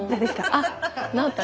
あっ整った。